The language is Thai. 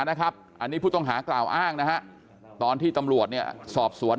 อันนี้ผู้ต้องหากล่าวอ้างนะฮะตอนที่ตำรวจเนี่ยสอบสวน